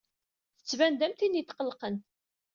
Tettban-d am tin yetqellqen.